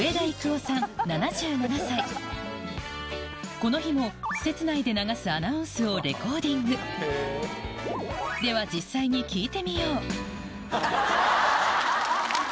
この日も施設内で流すアナウンスをレコーディングでは今日もまた。